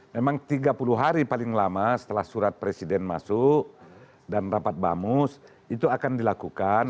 memang tiga puluh hari paling lama setelah surat presiden masuk dan rapat bamus itu akan dilakukan